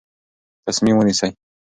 تصمیم ونیسئ.